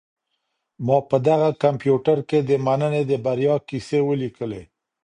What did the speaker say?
ما په دغه کمپیوټر کي د مننې د بریا کیسې ولیکلې.